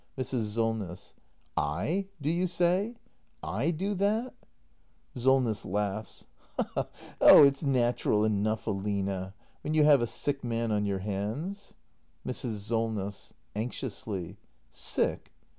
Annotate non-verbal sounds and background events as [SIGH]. Mrs. Solness. J, do you say ? I do that ? Solness. [LAUGHS] Ho ho ho! It's natural enough, Aline! When you have a sick man on your hands Mrs. Solness. [Anxiously.] Sick?